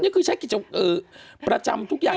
นี่คือใช้กิจประจำทุกอย่าง